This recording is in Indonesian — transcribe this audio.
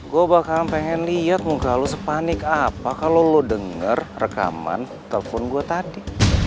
gue bakal pengen lihat muka lo sepanik apa kalau lo denger rekaman telepon gue tadi